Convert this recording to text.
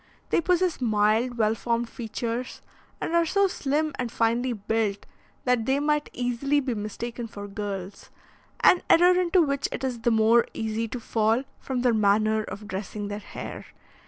They possess mild, well formed features, and are so slim and finely built, that they might easily be mistaken for girls; an error into which it is the more easy to fall from their manner of dressing their hair.